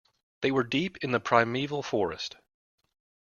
They were deep in the primeval forest.